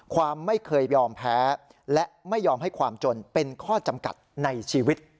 ความไม่เคยยอมแพ้และไม่ยอมให้ความจนเป็นข้อจำกัดในชีวิต